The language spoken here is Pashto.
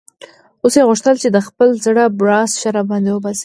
اوس یې غوښتل چې د خپل زړه بړاس ښه را باندې وباسي.